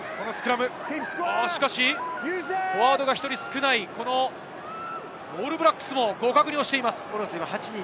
フォワードが１人少ないオールブラックスも互角に押しています。